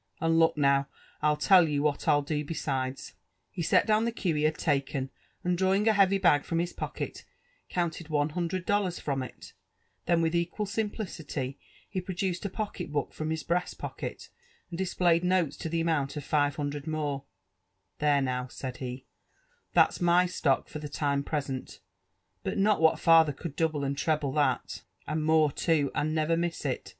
And look now, TU tell you what rii do besides.'^ He set down the cue he had taken, and drawing a heavy bag from his pocket, counted one hundred dollars from it; then with equal sim plicity he produced a pocket book from his breast pocket, and dis^ played notes to the amount of five hundred more :*' There now I" said he, 'Mhal's my stock for the time present; not but what father eould double and treble that, and more too, and never m jss it.